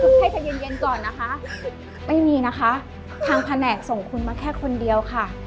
ให้ใจเย็นเย็นก่อนนะคะไม่มีนะคะทางแผนกส่งคุณมาแค่คนเดียวค่ะ